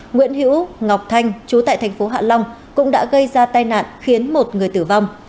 nguyễn hữu ngọc thanh chú tại thành phố hạ long cũng đã gây ra tai nạn khiến một người tử vong